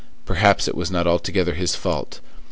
Perhaps it was not altogether his fault.